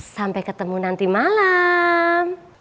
sampai ketemu nanti malem